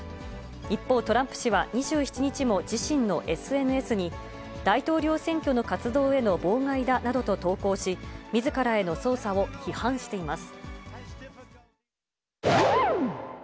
一方、トランプ氏は２７日も自身のＳＮＳに、大統領選挙の活動への妨害だなどと投稿し、みずからへの捜査を批判しています。